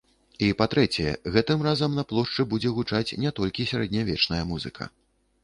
І па-трэцяе, гэтым разам на плошчы будзе гучаць не толькі сярэднявечная музыка.